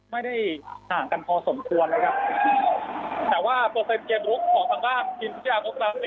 ไม่ได้ห่างกันพอสมควรเลยครับแต่ว่าของทางด้านพิมพิชาโกกรัม